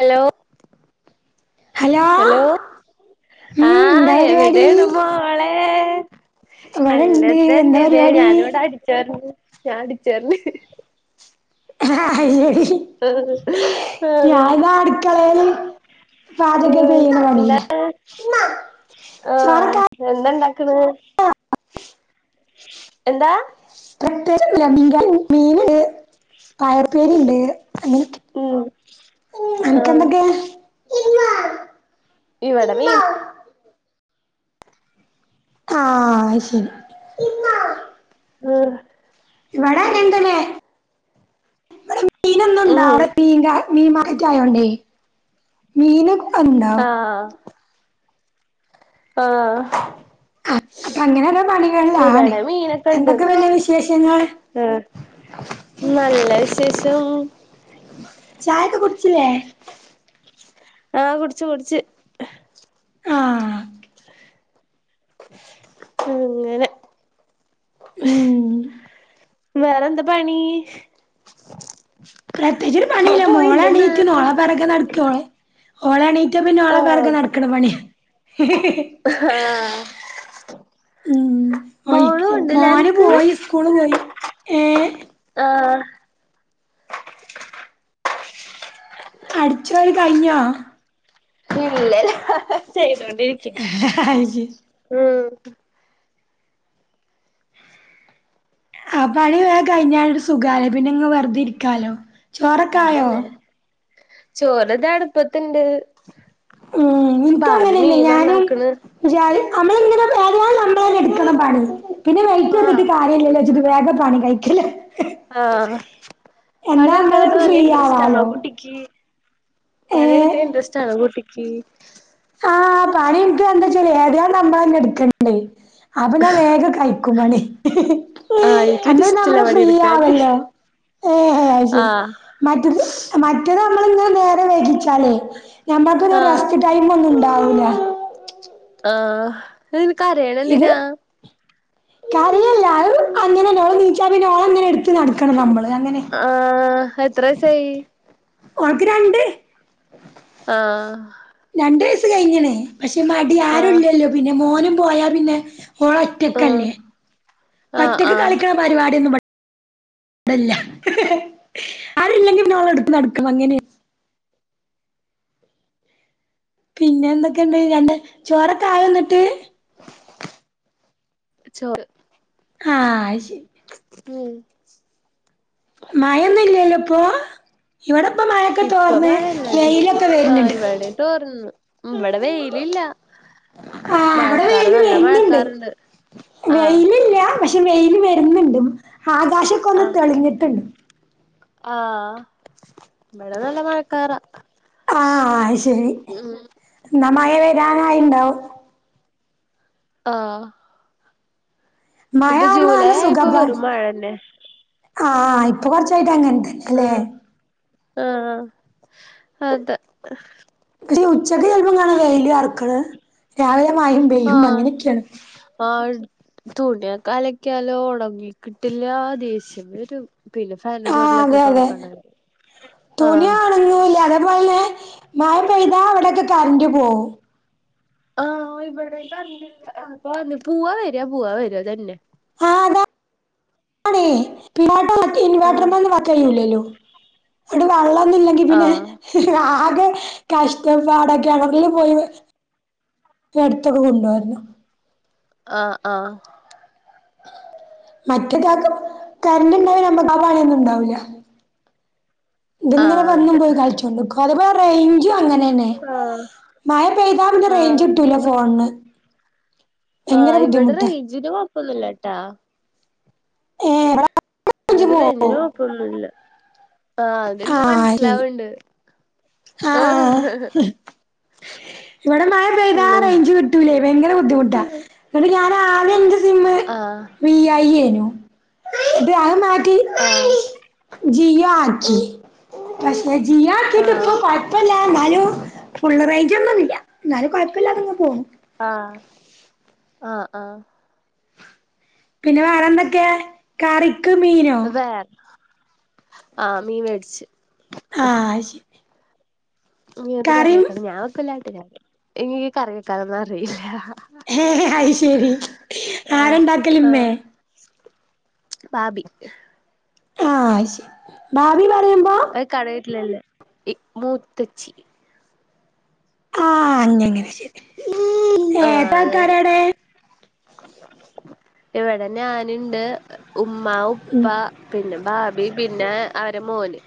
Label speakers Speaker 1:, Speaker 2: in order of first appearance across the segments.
Speaker 1: Hello hello ആ
Speaker 2: ഉം എന്താ പരിപാടി
Speaker 1: എവിടെണ് മോളെ അല്ല
Speaker 2: ഇവിടെണ്ട് എന്താ
Speaker 1: തന്നെ ഇതെ
Speaker 2: പരിപാടി
Speaker 1: ഞാനിവിടെ അടിച്ചാർ ഞാൻ അടിച്ചാർണ്
Speaker 2: [unintelligible]
Speaker 1: ആഹ് ആഹ്
Speaker 2: ഞാൻ താ അട്ക്കളേൽ പാചകം
Speaker 1: ആഹ്
Speaker 2: ചെയ്യണ പണീല്ല
Speaker 1: എന്താണ്
Speaker 2: മ്മാ ചോറക്ക
Speaker 1: എന്തണ്ടാക്ക്ണ് എന്താ
Speaker 2: [unintelligible] മീന്ണ്ട് പയർപ്പേരിണ്ട് അങ്ങനക്കെ
Speaker 1: ഉം
Speaker 2: അൻക്ക്
Speaker 1: ആഹ്
Speaker 2: എന്തൊക്കെ
Speaker 1: ഇവടെമീൻ
Speaker 2: ആ അയ്ശെരി
Speaker 1: [unintelligible]
Speaker 2: ഇവടങ്ങൻതന്നെ ഇവടെ മീനൊന്നുംണ്ടാ
Speaker 1: ഉം
Speaker 2: വ മീങ്ക മീൻ [unintelligible] മീനൊക്കെ പ്പോ [unintelligible]
Speaker 1: ആഹ് ആഹ്
Speaker 2: ആഹ് അപ്പങ്ങനൊരോ പണികള്ലാണ്
Speaker 1: ഇവിടെ
Speaker 2: എന്തൊക്കെ പിന്നെ വിശേഷങ്ങൾ
Speaker 1: ഉം നല്ല വിശേഷം
Speaker 2: ചായക്കെ കുട്ച്ച്ല്ലേ
Speaker 1: ആഹ് കുട്ച്ച് കുട്ച്ച്
Speaker 2: ആഹ്
Speaker 1: അങ്ങനെ
Speaker 2: ഉം
Speaker 1: മ്മ് വേറെന്താ പണീ
Speaker 2: പ്രത്യേയിച്ചോര് പണീല്ല മോള് എണീറ്റ്ണ് ഓളെ പെറകെ നടക്കൊളെ ഓളെണീറ്റ പിന്നെ ഓളെ
Speaker 1: ആഹ്
Speaker 2: പെറകെ നടക്ക്ണ പണ്യ
Speaker 1: ആഹ്
Speaker 2: ഉം മോന്ക്ക്
Speaker 1: മോളും ഉണ്ടല്ലേ
Speaker 2: മോന്
Speaker 1: അനക്ക്
Speaker 2: പോയി സ് ക്കൂള് പോയി ഏഹ്
Speaker 1: ആഹ്
Speaker 2: അട്ച്ചോരി കയ്ഞ്ഞോ
Speaker 1: ഇല്ല ചെയ്തൊണ്ടിരിക്ക്യാ
Speaker 2: അത് ശരി
Speaker 1: ഉം
Speaker 2: ആഹ് പണി വേം കയിഞ്ഞാലൊരു സുഖാലെ പിന്നെങ്ങനെ വെറ്തെ ഇരിക്കാലോ ചോറൊക്കെ ആയോ
Speaker 1: അതെന്നെ ചോറ്താ അട്പ്പത്ത്ണ്ട്
Speaker 2: ഉം
Speaker 1: ബാബി മീൻ നന്നാക്ക്ണ്
Speaker 2: [unintelligible] നമ്മള്ങ്ങനെ ഏതായാലും നമ്മളന്നെ ഇട്ക്കണം പണി പിന്നെ
Speaker 1: ആഹ്
Speaker 2: വൈറ്റയ്ത്ട്ട് കാ ര്യല്ലല്ലോച്ച്ട്ട് വേഗം പണി കഴിക്കലാ
Speaker 1: ആഹ്
Speaker 2: എന്നാ
Speaker 1: പണിട്ക്കാനൊക്കെ
Speaker 2: നമ്മൾക്ക്
Speaker 1: നല്ല
Speaker 2: ഫ്രീ
Speaker 1: ഇൻട്രസ്റ്റാണോ
Speaker 2: ആവാലോ
Speaker 1: കുട്ടി ക്കി
Speaker 2: ഏഹ്
Speaker 1: പണിട്ക്കാൻ ഇൻട്രസ്റ്റാണോ കുട്ടിയ്ക്കി
Speaker 2: ആഹ് പണി ഇന്ക്ക് എന്തച്ചാല് ഏതായാലും നമ്മളെന്നെ ഇട്ക്കണ്ടേ അപ്പൊ ഞാൻ വേഗം കയ്ക്കും പണി
Speaker 1: ആഹ്
Speaker 2: എന്നാ പിന്നെ നമ്മള്
Speaker 1: ഇനിക്കൊരിഷ്ടല്ല
Speaker 2: ഫ്രീ
Speaker 1: പണിട്ക്കാന്
Speaker 2: ആവല്ലോ ഏഹ് ഹേ അത് ശെരി മറ്റേത് മ റ്റേത് നമ്മളിങ്ങനെ നേരം വൈകിച്ചാലെ നമ്മക്ക് പിന്നെ
Speaker 1: ആഹ്
Speaker 2: റസ്റ്റ്‌ ടൈമൊന്നുണ്ടാവൂല
Speaker 1: ആഹ് അയിന്
Speaker 2: ഇത്
Speaker 1: കരയ്ണന്തിനാ
Speaker 2: കരയല്ല അത് അങ്ങനന്നെ ഓള് നീച്ചാ പിന്നെ ഓളെങ്ങനെട്ത്ത് നടക്കണം നമ്മള് അങ്ങനെ
Speaker 1: ആഹ് എത്ര വയസ്സായി
Speaker 2: ഓൾക്ക് രണ്ട്
Speaker 1: ആഹ്
Speaker 2: രണ്ട് വയസ്സ് കഴിഞ്ഞ്ണ് പക്ഷെ മട്യാ
Speaker 1: ആഹ്
Speaker 2: ആരുല്ലല്ലോ പിന്നെ മോനും പോയാ പിന്നെ ഓള് ഒ
Speaker 1: ആഹ്
Speaker 2: റ്റക്കല്ലേ
Speaker 1: ആഹ്
Speaker 2: ഒറ്റക്ക്
Speaker 1: ആഹ്
Speaker 2: കളിക്കണ പരിപാടി ഒന്നുബ ടെല്ല ആരുല്ലെങ്കി പിന്നെ ഓളെട്ത്ത് നടക്കണം അങ്ങനെ പിന്നെന്തൊക്കെണ്ട് രണ്ട് ചോറൊക്കായോ ഇന്നട്ട്
Speaker 1: ചോറ്
Speaker 2: ആഹ് അത് ശെരി
Speaker 1: മ്മ്
Speaker 2: മഴൊന്നും ഇല്ലല്ലോ ഇപ്പൊ ഇവിടെപ്പ മഴൊക്കെ
Speaker 1: ഇപ്പ
Speaker 2: തോർന്ന് വെയിലൊക്കെ വര്ന്ണ്ട്
Speaker 1: തോറ്ന്ന് ഇബടെ വെയ്ലില്ല
Speaker 2: ആഹ് ഇവിടെ
Speaker 1: മഴക്കാറ്
Speaker 2: വെയില്
Speaker 1: നല്ല
Speaker 2: വരുന്നുണ്ട്
Speaker 1: മഴക്കാറ്ണ്ട് ആഹ്
Speaker 2: വെയിലില്ല പക്ഷെ വെയില് വര്ന്ന്ണ്ട് ആകാശൊക്കൊന്ന്
Speaker 1: ആഹ്
Speaker 2: തെളിഞ്ഞ്ട്ട്ണ്ട്
Speaker 1: ആഹ് ഇബടെ നല്ല മഴക്കാറാ
Speaker 2: ആഹ് അത് ശെരി
Speaker 1: ഉം
Speaker 2: ഇന്നാ മയ വരാനായിണ്ടാവും
Speaker 1: ആഹ് ഇപ്പൊ
Speaker 2: മഴാകുമ്പോ
Speaker 1: ജൂലൈ
Speaker 2: നല്ല സുഖാ
Speaker 1: ആയപ്പോ
Speaker 2: ബ
Speaker 1: വെറും മഴന്നെ
Speaker 2: ആഹ് ഇപ്പൊ കൊറച്ചായിട്ട് അങ്ങനെ തന്നെ
Speaker 1: ആഹ് ആഹ് ആഹ് അതെ
Speaker 2: ക്ഷേ ഉച്ചക്ക് ചെലപ്പം കാണ വെയില് അറ്ക്ക്ണ് രാവിലെ മഴിം പെയ്യും
Speaker 1: ആഹ്
Speaker 2: അങ്ങനെയൊക്കെയാണ്
Speaker 1: [unintelligible] തുണിയൊക്കെ അലക്കിയാലോ ഒണങ്ങിക്കിട്ടില്ല ദേഷ്യം വരും പിന്നെ ഫാന്റെ
Speaker 2: ആ
Speaker 1: ചോടിലൊക്കെ
Speaker 2: അതെ
Speaker 1: ഇട്ട്
Speaker 2: അതെ
Speaker 1: ഉണക്കാആനോരം. ആ
Speaker 2: അതുപോലെ മഴ പെയ്താ അവിടെയൊക്കെ കറന്റ് പോവും.
Speaker 1: ആ ഇവിടെ കരണ്ടില്ല. പോവാ വര പോവാ വര ഇത് തന്നെ.
Speaker 2: ആ അതാ ആണേ പിന്നെ
Speaker 1: ആഹ്
Speaker 2: ഇൻവേർട്ടറിന്ന് വർക്ക് ചെയ്യുലല്ലോ? അവിടെ വെള്ളം ഒന്നും ഇല്ലെങ്കി പിന്നെ.
Speaker 1: ആഹ്
Speaker 2: ആകെ കഷ്ടപ്പാടൊക്കെരം [unintelligible] പോയി അടുത്തൊക്കെ കൊണ്ടുരുന്നു.
Speaker 1: ആ ആ
Speaker 2: മറ്റേതാക കരണ്ട് ഉണ്ടാകില്ല് നമുക്ക് ആപണി ഒനും ഉണ്ടാവില്ല. ഇത്ങ്ങനെ വന്നും പോയി കളിച്ചോണ്ട് അത്പോലോ റേഞ്ചും അങ്ങനെ തന്നെ.
Speaker 1: അതെ ആഹ്
Speaker 2: മയ പെയ്താപിനൊ
Speaker 1: ആഹ്
Speaker 2: റേഞ്ച് ഇട്ടുല ഫോണിന്.
Speaker 1: ആ
Speaker 2: ഭയങ്കര
Speaker 1: ഇവിടെ
Speaker 2: ബുദ്ധിമുട്ടാ
Speaker 1: റേജിന് കൊഴപ്പൊന്നില്ല ട്ടാ.
Speaker 2: ഏ ഇവിടെ റേഞ്ച്
Speaker 1: ഇവടൊ
Speaker 2: പോവും
Speaker 1: റഞ്ചിന് കൊഴപ്പന്നുല്ല. ആ എനിക്ക് മനസ്സിലാവണ്ട്.
Speaker 2: ആ ആ ഇവിടെ മഴ പെയ്ത റേഞ്ച് കിട്ടൂലേ ഭയങ്കര ബുദ്ധിമുട്ടാ എന്നിട്ട് ഞാൻ ആകെ ഇൻ്റെ സിമ്മ്.
Speaker 1: ആ
Speaker 2: വി ഐ നു അത് മാറ്റി.
Speaker 1: ആ
Speaker 2: ജിയോ ആക്കി പക്ഷെ ജിയോ ആക്കിയിട്ട്. പോ
Speaker 1: ആഹ്
Speaker 2: കൊയ് പ്പല്ല എന്നാലും ഫുള്ള് റേഞ്ച് ഒന്നുംല്ല എന്നാലും കുഴപ്പമില്ല അതങ്ങ് പോണു.
Speaker 1: ആ ആ ആ
Speaker 2: പിന്നെ വേറെ എന്തൊക്കെ? കറിക്ക് മീ
Speaker 1: [unintelligible] വേ ആഹ മീൻ മേടിച്ച്
Speaker 2: ആ ശരി
Speaker 1: ഞ്ഞ് അത് കറി
Speaker 2: കറിയും
Speaker 1: വെക്കണം ഞാൻ [unintelligible] എനിക്ക് കറി വെക്കാനൊന്നും അറിയില്ല.
Speaker 2: ഹേ അയ് ശേരി ആരണ്ടാക്കല് ഇമ്മേ?
Speaker 1: പാപി.
Speaker 2: ആ ശരി ഭാപി പറയുമ്പോ?
Speaker 1: അത് കടയിട്ടില്ലല്ലേ മൂത്തച്ചി
Speaker 2: ആ അന്നങ്ങനെ ശരി ഉ
Speaker 1: ആഹ്
Speaker 2: എത്ര
Speaker 1: അങ്ങനെ
Speaker 2: ആൾക്കാരാണ്.
Speaker 1: ഇവിടെ ഞാനുണ്ട് ഉമ്മ, ഉപ്പ.
Speaker 2: ഉം
Speaker 1: പിന്നെ ഭാബി പിന്നെ അവരെ മോന്.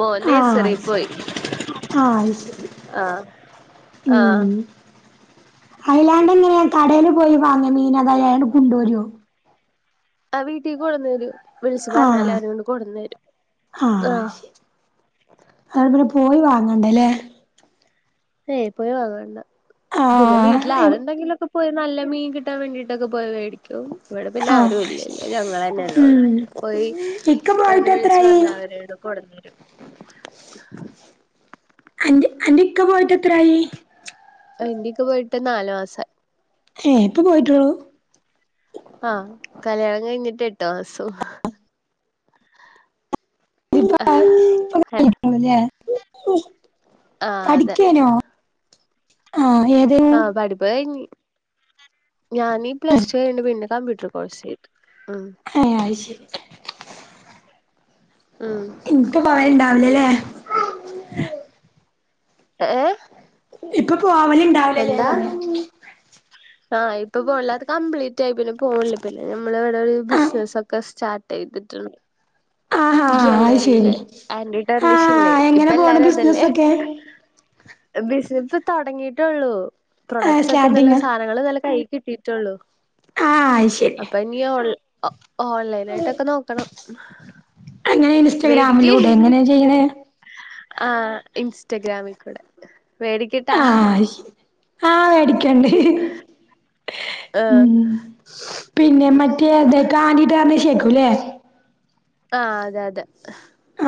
Speaker 1: മോൻ
Speaker 2: ആഹ്
Speaker 1: നഴ്സറി
Speaker 2: ശ
Speaker 1: പോയി.
Speaker 2: ആഹ് അത് ശരി
Speaker 1: ആഹ
Speaker 2: ഉം ഹൈലാൻഡ എങ്ങനെ കടയിൽ പോയി വാങ്ങ മീന് അതായാണ് കൊണ്ടുരു?
Speaker 1: ആ വീട്ടി കൊടുന്ന് രും വിളിച്ചു പറഞ്ഞല്
Speaker 2: ആഹ്
Speaker 1: അവര് ങ്ങട്ട് കോടുന്ന് തരും.
Speaker 2: അതോ പോയി വാങ്ങണ്ടല്ലേ?
Speaker 1: ഏയ് പോയി വാങ്ങണ്ട പിന്നെ
Speaker 2: ആഹ്
Speaker 1: വീട്ടില്.
Speaker 2: എവ്
Speaker 1: ആളുണ്ടെങ്കിലൊക്കെ. പോയി നല്ല മീൻ കിട്ടാ വേണ്ടിട്ടൊക്കൊ പോയി മേടിക്കും. ഇവിടെ പിന്നാരും
Speaker 2: ആഹ്
Speaker 1: ഇല്ലല്ലോ ഞങ്ങളെന്നെയല്ലേള്ളു.
Speaker 2: ഉം
Speaker 1: പോയി
Speaker 2: ഇക്ക പോയിട്ട് എത്രായി?
Speaker 1: കൊടന്നരും
Speaker 2: അന്റെ അന്റെക്ക പോയിട്ട് എത്രായി?
Speaker 1: എന്റെയിക്ക പോയിട്ട് നാല് മാസ
Speaker 2: എഏ ഇപ്പൊ പോയിറ്റുള്ളൂ.
Speaker 1: ആഹ കല്യാണം കഴിഞ്ഞിട്ട് എട്ട് മാസം ഹും അഹ് ഹ
Speaker 2: [unintelligible]
Speaker 1: ആഹ് അതെ
Speaker 2: പഠിക്കാനൊ അ ഏ
Speaker 1: ആ പഠപ്പ്‌ കഴിഞ്ഞ്. ഞാനീ പ്ലസ് ടു കഴിഞ്ഞി പിന്നെ കമ്പ്യൂട്ടർ കോഴ്സ് ചെയ്ത് ഉ
Speaker 2: ഏ ആയിഷേരി
Speaker 1: ഉം
Speaker 2: എനിക്ക് പായ് ണ്ടാവില്ലല്ലേ
Speaker 1: ഏഏ
Speaker 2: ഇപ്പൊ പോവലുണ്ടാ
Speaker 1: എന്താ ആഹ് ഇപ്പൊ പോണില്ല അത് കംപ്ലീറ്റ് ആ ഇപ്പൊ പൊല്ല കംബ്ലിറ്റായി. പിന്നെ പോണല്ല പിന്നെ ഞമ്മൾ ഇവിടെ ഒരു
Speaker 2: ആ
Speaker 1: ബിസിനസ്സ ഒക്കെ സ്റ്റാർട്ട് ചെയ്തിട്ടുണ്ട്.
Speaker 2: ആഹാ അത് ശരി
Speaker 1: ജ്വല്ലറിയുടെ ആന്റ
Speaker 2: ആ
Speaker 1: ടെർണിഷല്ലേ ഇപ്പ
Speaker 2: എങ്ങനെ പോണ്
Speaker 1: എല്ലാരും അതല്ലേ
Speaker 2: ബിസിനസൊക്കെ
Speaker 1: ഹെ ബിസിന ഇ തുടങ്ങിയിട്ടേള്ളൂ
Speaker 2: ആ
Speaker 1: പ്രൊഡക്ട്സ് ഒക്കെ നല്ല
Speaker 2: സ്റ്റാർട്ടിങ്
Speaker 1: സാധനങ്ങള്ൾ നല്ല കൈ കിട്ടി.. ട്ടള്ളൂ
Speaker 2: ആ അത് ശരി
Speaker 1: അപ്പൊ അപഞ്ഞി ഓ ഓൺലൈന ആായിട്ടൊക്കെ നോക്കണം.
Speaker 2: അങ്ങനെ ഇൻസ്റ്റാ ഗ്രാമീലൂടെ എങ്ങനെ ചെയ്യിനെ
Speaker 1: ആഹ ഇൻസ്റ്റഗ്രാമിൽ കൂടെ പേട
Speaker 2: ആഹ അഹ് ശരി ആ ടി കണ്ട് ഹി ഹി
Speaker 1: ആഹ്
Speaker 2: ഉം പിന്നെ മറ്റേ ദ് കാർണി ണ്ട ശക്കൂല്ലേ?
Speaker 1: ആ അതെ അതെ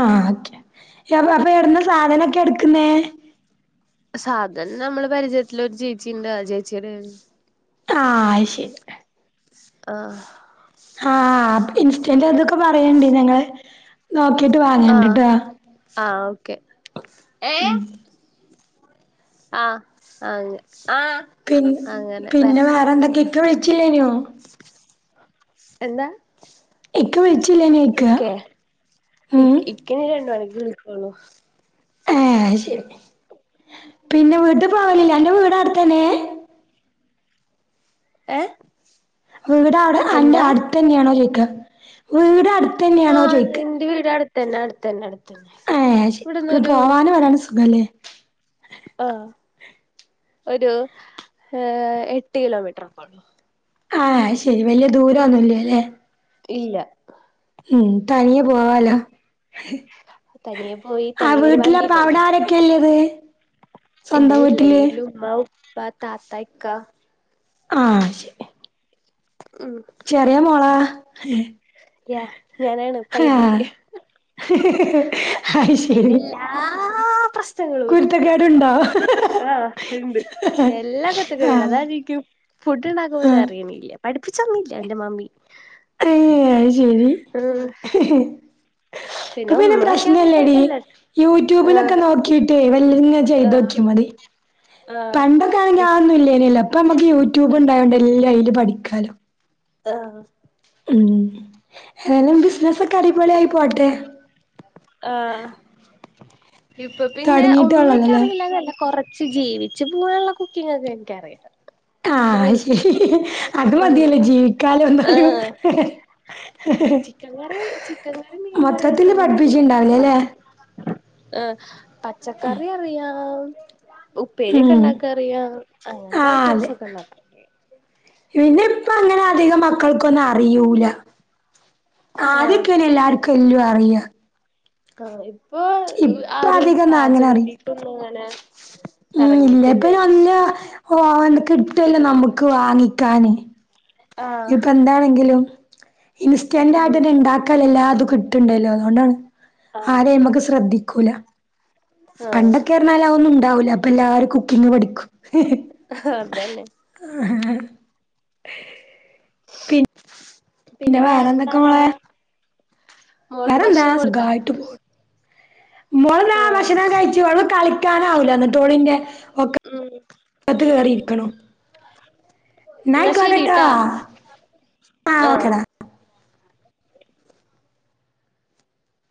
Speaker 2: ആ ഓക്കെ. അപ്പൊ എവിടന്ന സാധനൊക്കെ എടുക്കുന്നേ?
Speaker 1: സാധനം നമ്മള് പരിചയത്തില ഒരു ചേച്ചി ഉണ്ട് ആ ചേച്ചിയുടെ
Speaker 2: ആ അയിശരി
Speaker 1: ആഹ.
Speaker 2: ആഹ ഇൻസ്റ്റന്റ് അതൊക്കെ പറയണ്ടി ഞങ്ങള് നോക്കിട്ട് വാങ്ങേണ്ട് ട്ടോ.
Speaker 1: ആ ഓക്കേ
Speaker 2: ഉം
Speaker 1: ആഹ് അെ ആഹ്
Speaker 2: പി
Speaker 1: അങ്ങനെ വേ
Speaker 2: പിന്നെ വേറെ എന്തൊക്കെ ഇക്ക വിളിച്ചില്ലേനോ
Speaker 1: എന്താ
Speaker 2: ഇക്ക വിളിച്ചില്ലനിയ്നൊ ഇക ഉം
Speaker 1: ക്കനി രണ്ടുമണിക്ക് വിളിക്കോള്ളു
Speaker 2: ഏഹ് അത് ശെരി പിന്നെ വീട്ട് പോവലില്ലേ അന്റെ വീട് അട്ത്തനെ
Speaker 1: ഏഹ്
Speaker 2: വീട് അവടെ അന്റെ
Speaker 1: എന്താ
Speaker 2: അട്ത്തന്നേണോ ചോയ്ക്കാ വീടാ അട്
Speaker 1: ആഹ് ഇന്റെ വീട് അടുത്തന്നെ അടുത്തന്നെ അടു
Speaker 2: ഏഹ് ശെ അപ്പോ പോവാനും വരാനും സുഖാല്ലേ
Speaker 1: ആഹ് ഒരു ഏഹ് എട്ട് കിലോമീറ്ററോക്കോള്ളു
Speaker 2: ആഹ് അയ്ശെരി വല്യ ദൂരൊന്നും ഇല്ല്യല്ലേ
Speaker 1: ഇല്ല
Speaker 2: ഉം തനിയെ പോവാലോ
Speaker 1: തനിയെ പോയി
Speaker 2: ആഹ്
Speaker 1: തനിയെ വര്
Speaker 2: വീട്ടിലപ്പ
Speaker 1: വണ്ടിണ്ടല്ലേ
Speaker 2: [unintelligible]
Speaker 1: എന്റെ
Speaker 2: സ്വന്തം
Speaker 1: വീട്ട്ല് എന്റെ
Speaker 2: വീട്ടില്
Speaker 1: വീട്ട്ല് ഉമ്മ ഉപ്പ താത്ത ഇക്ക
Speaker 2: ആഹ് ശെ
Speaker 1: ഉം
Speaker 2: ചെറിയ മോളാ.
Speaker 1: യാ ഞാനാണ്
Speaker 2: ഏഹ്
Speaker 1: പൈതല്
Speaker 2: ആഹ് അയി ശെരി.
Speaker 1: ആഹ് പ്രശ്
Speaker 2: കുരുത്തക്കേടുണ്ടോ
Speaker 1: ആഹ് ഇണ്ട്
Speaker 2: ആഹ്
Speaker 1: ന്റെ എല്ലാ കുരുത്തക്കേടും
Speaker 2: ആഹ്
Speaker 1: അതാരിക്കും ഫുഡ് ഇണ്ടാക്കപോലും
Speaker 2: ഏഹ്
Speaker 1: അറിണില്ല പഠിപ്പിച്ചന്നില്ല എന്റെ മമ്മി
Speaker 2: അയ് ശെരി
Speaker 1: ഉം
Speaker 2: ഇപ്പ പിന്നെ
Speaker 1: ഒന്നും വെക്കാൻ
Speaker 2: പ്രശ്നല്ലേടി
Speaker 1: അറിയില്ലാന്നല്ല ആഹ്
Speaker 2: യൂട്യൂബിലൊക്കെ നോക്കിട്ടേ വല്ല
Speaker 1: ആഹ്
Speaker 2: ചെയ്തോക്കിയാ മതി.
Speaker 1: ആഹ്
Speaker 2: പണ്ടക്ക [unintelligible] [unintelligible] ഇപ്പോ നമ്മുക്ക് യൂട്യൂബ് ഉണ്ടായോണ്ട്, എല്ലാം അയില് പഠിക്കാലോ.
Speaker 1: ആഹ്
Speaker 2: ഉം [unintelligible] ബിസിനസൊക്കെ അടിപൊളി ആയി പോട്ടെ.
Speaker 1: ആഹ് ഇപ്പ പിന്നെ ഒന്നുവെക്കാ
Speaker 2: തൊടങ്ങിട്ടൊള്ളല്ലോല്ലേ
Speaker 1: അറിയില്ലന്നല്ല കൊറ ച്ച് ജീവിച്ചു പോവാള്ള കുക്കിംങ്ങ് ഒക്കെ എനിക്കറിയാം
Speaker 2: ആഹ് ശെരി. അത് മതിയല്ലോ ജീവിക്കാലോ, എന്നാലും.
Speaker 1: ആഹ് ചിക്കൻ കറി ചിക്കൻ കറി മീൻകറി
Speaker 2: മൊത്തത്തില്
Speaker 1: വെക്കാനൊന്നും അറിയില്ലാട്ടോ പ
Speaker 2: പഠിപ്പിച്ചിണ്ടാവില്ലല്ലേ
Speaker 1: ആഹ് പച്ചക്കറി അറിയാം ഉപ്പേരി ഒക്കെ
Speaker 2: ഉം
Speaker 1: ഇണ്ടാക്കറിയാം അങ്ങനത്തെ
Speaker 2: ആഹ്
Speaker 1: ഐറ്റംസ്
Speaker 2: അതെ
Speaker 1: ഒക്കെ ണ്ടാക്കാം
Speaker 2: പിന്നെ ഇപ്പ അങ്ങനെ അധികം മക്കൾക്കൊന്നും അറിയൂല
Speaker 1: ആഹ്
Speaker 2: ആദ്യക്കെന്നെ എല്ലാര്ക്കും എല്ലു അറിയാ
Speaker 1: ആഹ് ഇപ്പോ
Speaker 2: ഇപ്പ
Speaker 1: ആരും
Speaker 2: അധികൊന്നും അങ്ങനെ അറി
Speaker 1: പാചകത്തിക്കൊന്നങ്ങനെ
Speaker 2: [unintelligible] കിട്ടല്ലോ നമ്മുക്ക് വാങ്ങിക്കാന്
Speaker 1: ആഹ്
Speaker 2: ഇപ്പന്താണെങ്കിലും ഇൻസ്റ്റൻറ്റ് ആയ്ട്ട്
Speaker 1: ആഹ്
Speaker 2: ത് ഇണ്ടാ ക്കല്ലല്ല അതും കിട്ട്ണ്ടല്ലോ അതൊ ണ്ടാണ്
Speaker 1: ആഹ്
Speaker 2: ആരും അയ്മക്ക് ശ്രദ്ധിക്കൂലാ പണ്ടൊക്കെ
Speaker 1: ആഹ്
Speaker 2: എറഞ്ഞാല് അ ഒന്നും ഉണ്ടാവൂല്ല അപ്പോ എല്ലാരും കുക്കിങ്ങ് പഠിക്കും
Speaker 1: ആഹ് അതന്നെ
Speaker 2: [unintelligible]
Speaker 1: പിന്നെ
Speaker 2: വേറെന്തൊക്കെ
Speaker 1: വേറെന്താടാ
Speaker 2: മോളെ
Speaker 1: മോൾക്ക്
Speaker 2: വേറെന്താ
Speaker 1: ഭക്ഷണം കൊടുത്താ
Speaker 2: സുഖായിട്ട് പോ മോളന്നാ ആ ഭക്ഷണം
Speaker 1: ആഹ്
Speaker 2: കഴിച്ചു. കളിക്കാനാവില്ല ന്ന്ട്ടോളിന്റെ ഒക്കെ,
Speaker 1: മ്മ്
Speaker 2: കത്ത് കേറി ഇരിക്കണു.
Speaker 1: എന്നാ
Speaker 2: ന്നായിക്കോട്ടട്ടോ
Speaker 1: ശരിട്ടാ
Speaker 2: ആഹ് ഓക്കെടാ